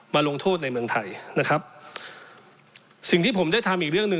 ลงโทษในเมืองไทยนะครับสิ่งที่ผมได้ทำอีกเรื่องหนึ่ง